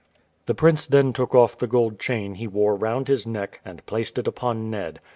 The prince then took off the gold chain he wore round his neck, and placed it upon Ned.